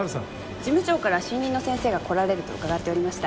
事務長から新任の先生が来られると伺っておりました。